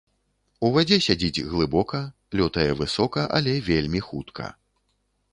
У вадзе сядзіць глыбока, лётае высока, але вельмі хутка.